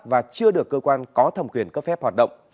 và chưa được cơ quan có thẩm quyền cấp phép hoạt động